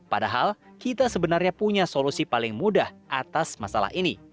padahal kita sebenarnya punya solusi paling mudah atas masalah ini